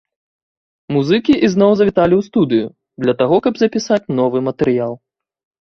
Музыкі ізноў завіталі ў студыю, для таго каб запісаць новы матэрыял.